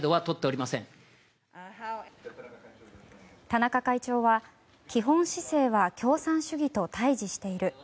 田中会長は基本姿勢は共産主義と対峙している。